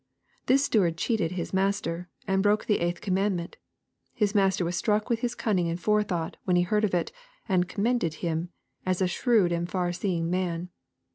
This steward cheated his master, and broke the eighth commandment. — His master was struck with his cunning and forethought, when he heard of it, and "commended" him, as a shrewd and far seeing man.